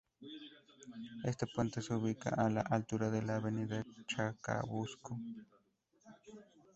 Este puente se ubica a la altura de la avenida Chacabuco.